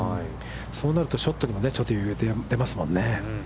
そうなると、ショットにもちょっと余裕が出ますもんね。